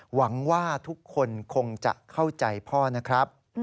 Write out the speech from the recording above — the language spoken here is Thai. หวังว่าทุกคนคงจะเข้าใจพ่อนะครับ